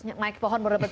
naik pohon berdepan